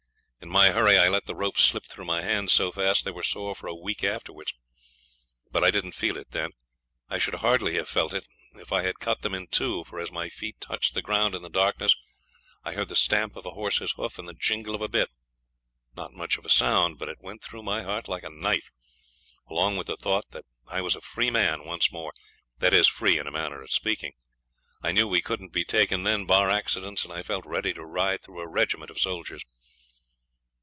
In my hurry I let the rope slip through my hands so fast they were sore for a week afterwards. But I didn't feel it then. I should hardly have felt it if I had cut them in two, for as my feet touched the ground in the darkness I heard the stamp of a horse's hoof and the jingle of a bit not much of a sound, but it went through my heart like a knife, along with the thought that I was a free man once more; that is, free in a manner of speaking. I knew we couldn't be taken then, bar accidents, and I felt ready to ride through a regiment of soldiers.